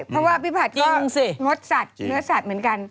เพราะว่าพี่ผัดก็งดสัตว์เนื้อสัตว์เหมือนกัน